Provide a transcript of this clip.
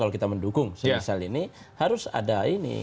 kalau kita mendukung misalnya ini